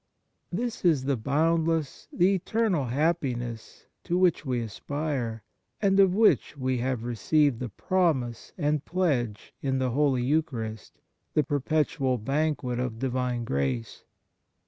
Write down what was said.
This is the boundless, the eternal happiness to which we aspire, and of which we have received the promise and pledge in the Holy Eucharist, the perpetual banquet of Divine grace.